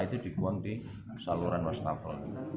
itu dibuang di saluran wastafel